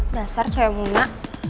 dasar cowok muma